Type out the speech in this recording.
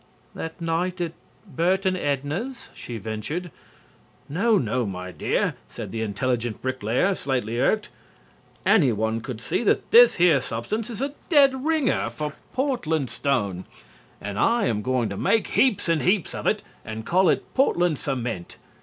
"That night up at Bert and Edna's?" she ventured. "No, no, my dear," said the intelligent bricklayer, slightly irked. "Anyone could see that this here substance is a dead ringer for Portland stone, and I am going to make heaps and heaps of it and call it 'Portland cement.'